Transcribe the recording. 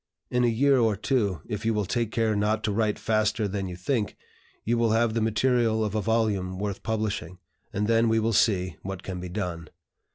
In a year or two, if you take care not to write faster than you think, you will have the material of a volume worth publishing, and then we will see what can be done.